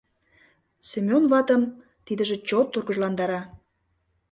Семён ватым тидыже чот тургыжландара.